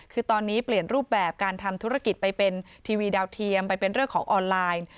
คือตอนนี้เปลี่ยนรูปแบบการทำธุรกิจไปเป็นทีวีดาวเทียมไปเป็นเรื่องของออนไลน์